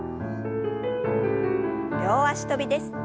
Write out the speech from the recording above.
両脚跳びです。